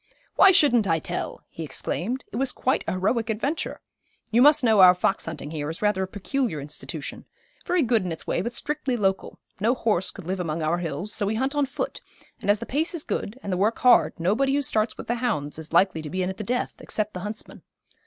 'Why shouldn't I tell?' he exclaimed. 'It was quite a heroic adventure. You must know our fox hunting here is rather a peculiar institution, very good in its way, but strictly local. No horse could live among our hills, so we hunt on foot, and as the pace is good, and the work hard, nobody who starts with the hounds is likely to be in at the death, except the huntsmen.